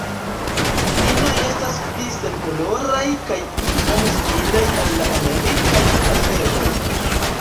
Inoj estas pli senkoloraj kaj iom similaj al la Amerikaj paseroj.